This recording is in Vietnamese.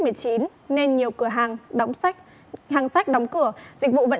nên nhiều cửa hàng sách đóng cửa